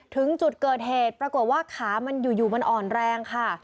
ถึงจุดเกิดเหตุปรากฏว่าขามันอยู่มันอ่อนแรงค่ะ